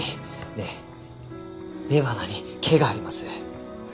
で雌花に毛があります。